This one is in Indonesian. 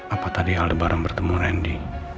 apa tadi aldebaran bertemu randy